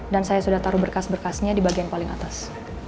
dan saya sudah taruh berkas berkasnya di bagian paling atas